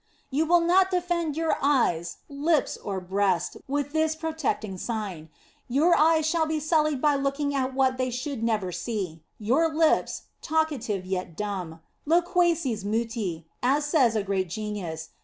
You will not defend your eyes, lips, or breast with this protecting Sign; your eyes shall be sullied by looking at what they should never see ; your lips, talkative yet dumb, lo quaces muti, as says a great genius.